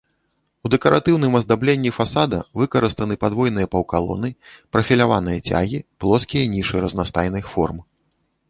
У дэкаратыўным аздабленні фасада выкарыстаны падвойныя паўкалоны, прафіляваныя цягі, плоскія нішы разнастайных форм.